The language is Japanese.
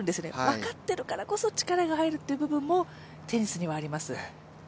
分かっているからこそ、力が入る部分もテニスにはあります